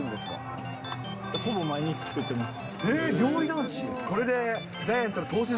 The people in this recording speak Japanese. ほぼ毎日作ってます。